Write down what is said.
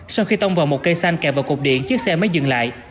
sau khi tông vào một cây xanh kẹp vào cục điện chiếc xe mới dừng lại